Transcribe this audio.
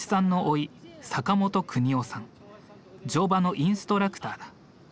乗馬のインストラクターだ。